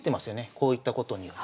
こう行ったことにより。